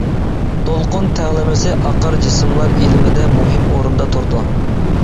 دولقۇن تەڭلىمىسى ئاقار جىسىملار ئىلمىدە مۇھىم ئورۇندا تۇرىدۇ.